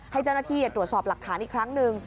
ให้เจ้าหน้าที่ตรวจสอบหลักฐานอีกครั้งหนึ่ง